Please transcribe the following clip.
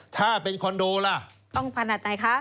ถ้าเป็นคอนโดล่ะต้องขนาดไหนคะ